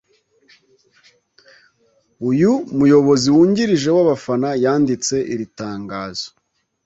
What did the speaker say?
uyu muyobozi wungirije w’abafana yanditse iri tangazo